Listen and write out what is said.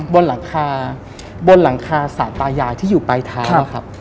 บนหลังคาบนหลังคาสารตายายที่อยู่ปลายเท้าครับ